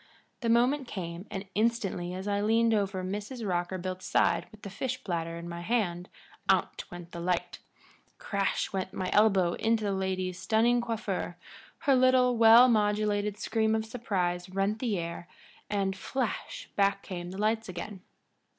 The moment came, and instantly as I leaned over Mrs. Rockerbilt's side with the fish platter in my hand out went the light; crash went my elbow into the lady's stunning coiffure; her little, well modulated scream of surprise rent the air, and, flash, back came the lights again.